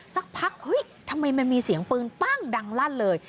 สักพักเฮ้ยทำไมมันมีเสียงปืนปั้งดังลั่นเลย